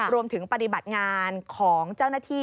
ปฏิบัติงานของเจ้าหน้าที่